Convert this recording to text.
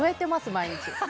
毎日。